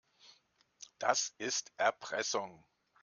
Das ist Erpressung.